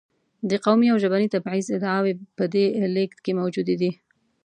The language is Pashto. د قومي او ژبني تبعیض ادعاوې په دې لېږد کې موجودې دي.